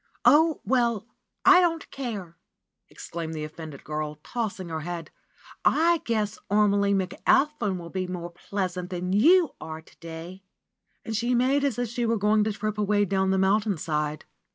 "Oh, well, I don't care !" exclaimed the offended girl, tossing her head. "I guess Ormelie McAlpin will be more pleasant than you are to day." And she made as if she were going to trip away down the mountainside.